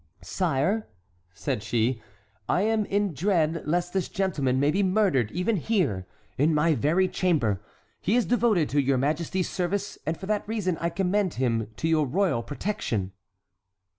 "Sire," said she, "I am in dread lest this gentleman may be murdered even here, in my very chamber; he is devoted to your majesty's service, and for that reason I commend him to your royal protection."